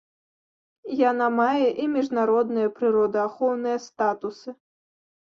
Яна мае і міжнародныя прыродаахоўныя статусы.